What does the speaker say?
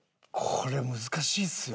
これ難しいですよ。